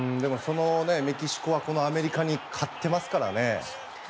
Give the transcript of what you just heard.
メキシコはこのアメリカに勝ってますからね。